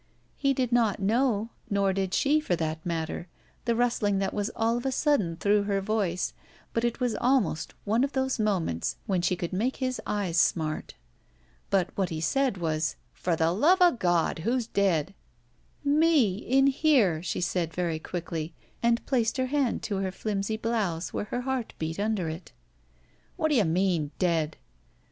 He did not know, nor did she, for that matter, the rustling that was all of a sudden through her voice, but it was almost one of those moments when she could make his eyes smart. But what he said was, "For the luvagod, whose dead?" " Me, in here," she said, very quickly, and placed her hand to her flimsy blouse where her heart beat under it. "Whadda you mean, dead?"